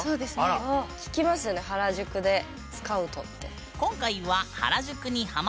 聞きますよね原宿でスカウトって。